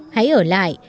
hãy ở lại